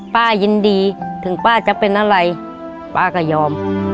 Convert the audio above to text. ป้ายินดีถึงป้าจะเป็นอะไรป้าก็ยอม